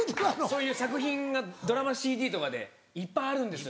そういう作品がドラマＣＤとかでいっぱいあるんですよ